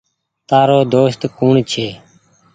تآرو دوست ڪوڻ ڇي۔